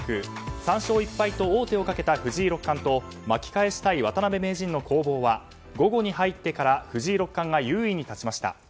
３勝１敗と王手をかけた藤井六冠と巻き返したい渡辺名人の攻防は午後に入ってから藤井六冠が優位に立ちました。